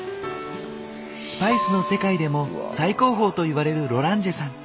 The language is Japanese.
スパイスの世界でも最高峰といわれるロランジェさん。